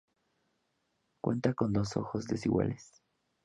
Cuenta con dos ojos, desiguales.